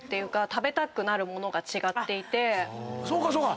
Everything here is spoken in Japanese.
そうかそうか。